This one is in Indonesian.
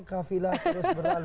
kavilah terus berlalu